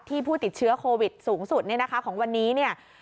ที่ผู้ติดเชื้อโควิดสูงสุดของวันนี้